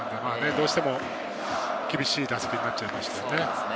どうしても厳しい打席になっちゃいましたね。